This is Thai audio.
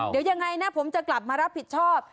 เดี๋ยวยังไงนะผมจะกลับมารับผิดชอบ